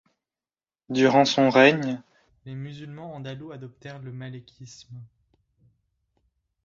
Durant son règne, les musulmans andalous adoptèrent le malékisme.